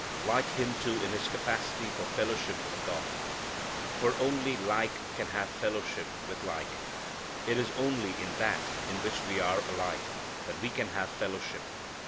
Like Him too in his capacity for fellowship with God. For only like can have fellowship with like. It is only in that in which we are alike that we can have fellowship.